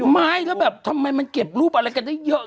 ไม่แล้วแบบทำไมมันเก็บรูปอะไรกันได้เยอะ